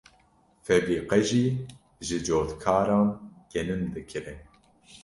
febrîqe jî ji cotkaran genim dikire.